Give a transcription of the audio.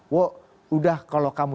wah udah kalau kamu